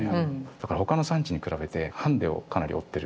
だからほかの産地に比べてハンデをかなり負ってる。